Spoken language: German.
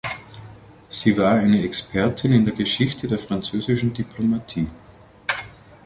Sie war eine Expertin in der Geschichte der französischen Diplomatie.